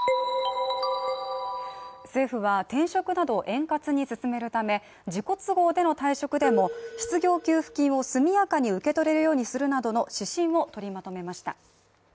政府は転職などを円滑に進めるため、自己都合での退職でも失業給付金を速やかに受け取れるようにするなどの指針を取りまとめました。